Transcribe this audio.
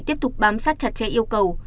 tiếp tục bám sát chặt che yêu cầu